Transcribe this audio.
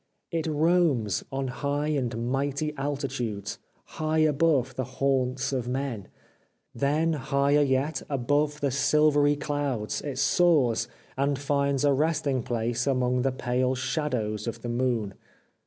It roams on high and mighty altitudes — high above the haunts of men. Then higher yet, above the silvery clouds, it soars, and finds a resting place among the pale shadows of the moon.